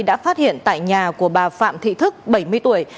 đã phát hiện tại nhà của bà phạm thị thức bảy mươi tuổi